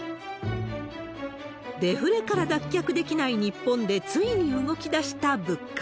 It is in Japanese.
デフレから脱却できない日本で、ついに動き出した物価。